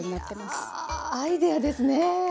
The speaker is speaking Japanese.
いやアイデアですね！